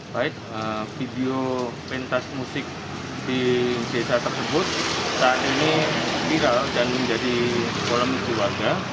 baik video pentas musik di desa tersebut saat ini viral dan menjadi polemisi warga